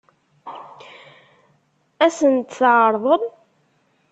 Ad sen-t-tɛeṛḍem?